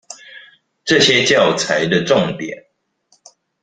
這些教材的重點